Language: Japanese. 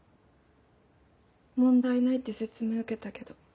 問題ないって説明受けたけど。